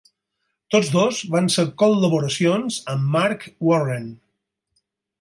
Tots dos van ser col·laboracions amb Mark Warren.